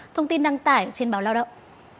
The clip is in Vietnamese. thông tin đăng tải trên báo lao động